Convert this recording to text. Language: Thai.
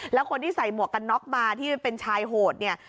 แล้วคนที่ใส่หมวกกันน็อกมาที่เป็นชายโหดเนี่ย